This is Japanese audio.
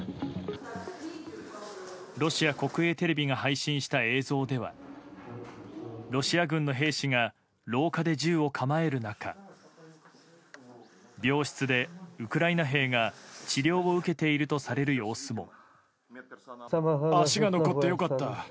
ロシア国営テレビが配信した映像ではロシア軍の兵士が廊下で銃を構える中病室でウクライナ兵が治療を受けているとされる様子も。